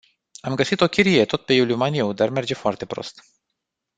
Am găsit o chirie, tot pe Iuliu Maniu, dar merge foarte prost.